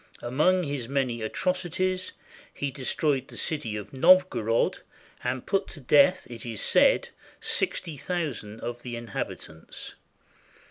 Among his many atrocities, he destroyed the city of Novgorod, and put to death, it is said, sixty thousand of the inhabitants.